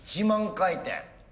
１万回転。